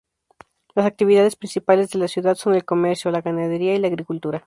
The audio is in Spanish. Las actividades principales de la ciudad son el comercio, la ganadería y la agricultura.